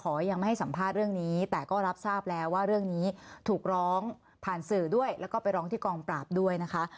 ยังไม่ให้สัมภาษณ์เรื่องนี้แต่ก็รับทราบแล้วว่าเรื่องนี้ถูกร้องผ่านสื่อด้วยแล้วก็ไปร้องที่กองปราบด้วยนะคะ